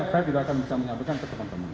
saya juga akan bisa menyampaikan ke teman teman